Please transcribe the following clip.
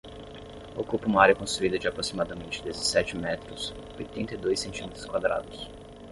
Ocupa uma área construída de aproximadamente dezessete metros, oitenta e dois centímetros quadrados.